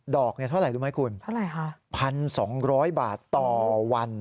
ดอกเนี่ยเท่าไหร่รู้ไหมคุณพัน๒๐๐บาทต่อวัน